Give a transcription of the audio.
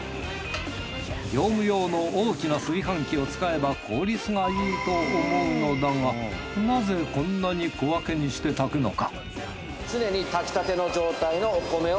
業務用の大きな炊飯器を使えば効率がいいと思うのだがなぜこんなに小分けにして炊くのか？